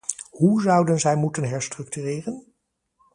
Hoe zouden zij moeten herstructureren?